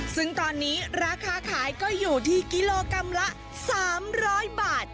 ซึ่งตอนนี้ราคาขายก็อยู่ที่กิโลกรัมละ๓๐๐บาท